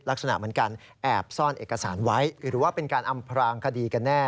ลักษณะเหมือนการแอบซ่อนเอกสารไว้หรือว่าเป็นการอำพรางคดีกันแน่